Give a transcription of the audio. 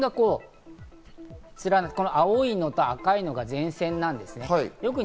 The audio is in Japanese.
この長いのが前線なんですね。